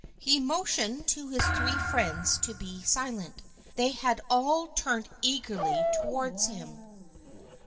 He motioned to his three friends to be silent. They had all turned eagerly towards him.